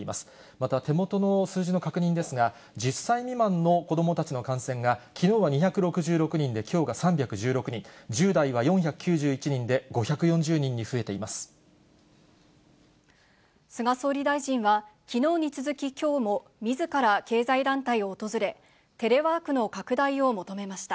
また、手元の数字の確認ですが、１０歳未満の子どもたちの感染が、きのうは２６６人できょうが３１６人、１０台は４９１人で、菅総理大臣はきのうに続ききょうも、みずから経済団体を訪れ、テレワークの拡大を求めました。